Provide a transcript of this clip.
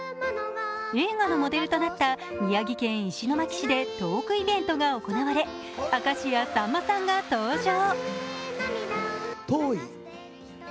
映画のモデルとなった宮城県石巻市でトークイベントが行われ明石家さんまが登場。